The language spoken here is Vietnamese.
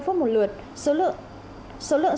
ba mươi phút một lượt số lượng